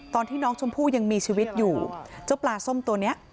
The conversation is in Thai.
ตอนที่น้องชมพู่ยังมีชีวิตอยู่เจ้าปลาส้มตัวเนี้ย